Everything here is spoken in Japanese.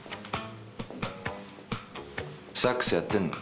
サックスやってるの？